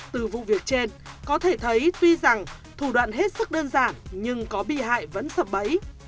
từ vụ việc trên có thể thấy tuy rằng thủ đoạn hết sức đơn giản nhưng có bị hại vẫn sập bẫy